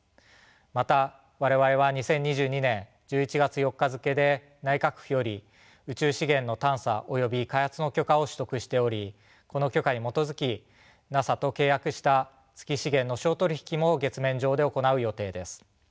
また我々は２０２２年１１月４日づけで内閣府より宇宙資源の探査及び開発の許可を取得しておりこの許可に基づきＮＡＳＡと契約した月資源の商取引も月面上で行う予定です。